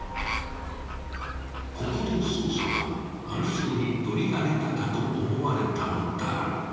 ［ここで捜査は暗礁に乗り上げたかと思われたのだが］